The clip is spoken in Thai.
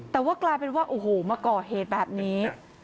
แต่ว่ากลายเป็นมาก่อเฮตแบบนี้